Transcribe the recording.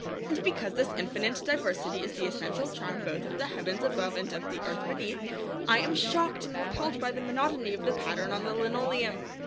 And because this infinite diversity is the essential charm both of the heavens above and of the earth beneath, I am shocked and repelled by the monotony of the pattern on the linoleum.